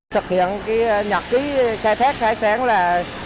thực hiện nhật ký khai thác khai sáng là